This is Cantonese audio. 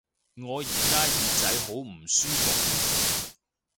我而家耳仔好唔舒服